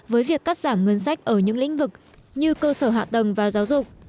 với việc cắt giảm ngân sách ở những lĩnh vực như cơ sở hạ tầng và giáo dục